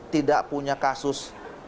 tidak punya kasus